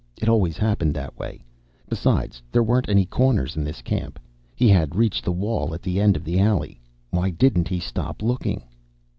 It always happened that way. Besides, there weren't any corners in this camp. He had reached the wall at the end of the alley. Why didn't he stop looking?